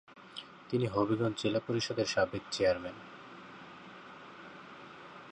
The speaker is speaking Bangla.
তিনি হবিগঞ্জ জেলা পরিষদের সাবেক চেয়ারম্যান।